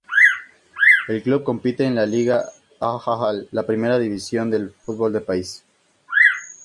El club compite en la Ligat ha'Al, la primera división del fútbol del país.